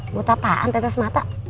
obat apaan tetes mata